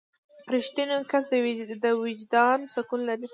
• رښتینی کس د وجدان سکون لري.